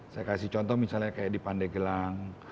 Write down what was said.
saya kasih contoh misalnya kayak di pandegelang